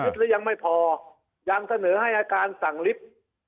หรือยังไม่พอยังเสนอให้อาการสั่งลิฟต์